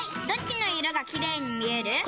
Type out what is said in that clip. どっちの色がキレイに見える？